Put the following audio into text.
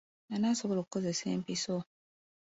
Ani asobola okukozesa empiso?